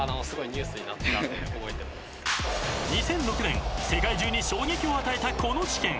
［２００６年世界中に衝撃を与えたこの事件］